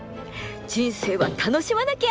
人生は楽しまなきゃ！